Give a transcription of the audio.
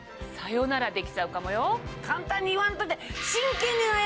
簡単に言わんといて！